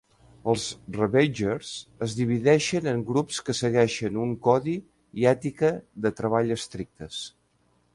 Els Ravagers es divideixen en grups que segueixen un codi i ètica de treball estrictes.